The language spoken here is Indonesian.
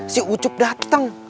si ucup dateng